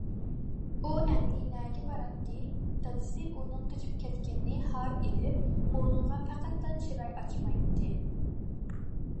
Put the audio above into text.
ئۇ ئەمدى نەگە باراتتى؟ دادىسى ئۇنىڭ قېچىپ كەتكىنىنى ھار ئېلىپ، ئۇنىڭغا پەقەتلا چىراي ئاچمايتتى.